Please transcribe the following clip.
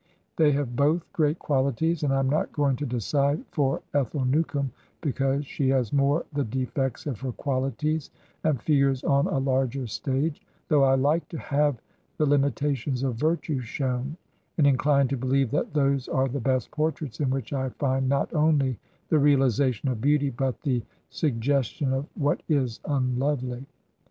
They have both great qualities, and I am not going to decide for Ethel Newcome because she has more the defects of her qualities, and figures on a larger stage, though I like to have the hmitations of virtue shown, and in cline to believe that those are the best portraits in which I find not only the realization of beauty, but the sug 213 Digitized by VjOOQIC HEROINES OF FICTION gestion of what is unlovely.